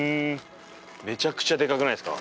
めちゃくちゃでかくないっすか？